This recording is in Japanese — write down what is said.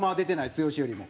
剛よりも。